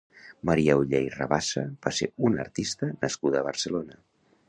Maria Oller i Rabassa va ser una artista nascuda a Barcelona.